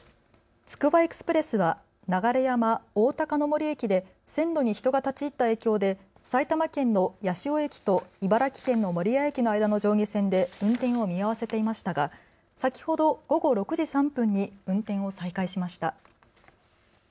つくばエクスプレスが流山おおたかの森駅で線路に人が立ち入った影響で埼玉県の八潮駅と茨城県の守谷駅の間の上下線で運転を見合わせていましたが先ほど午後６時３分に運転を再開しました。